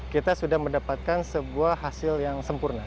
kita sudah mendapatkan sebuah hasil yang sempurna